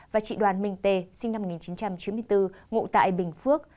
và chị đoàn minh tê sinh năm một nghìn chín trăm chín mươi bốn ngụ tại bình phước